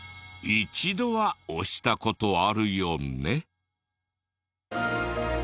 一度は押した事あるよね。